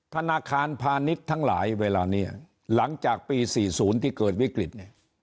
ธนาคารพาณิชย์ทั้งหลายเวลานี้หลังจากปี๔๐ที่เกิดวิกฤตเนี่ย